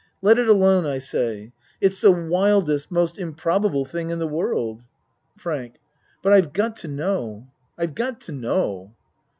Let it alone I say. It's the wildest most improba ble thing in the world. FRANK But I've got to know. I've got to know.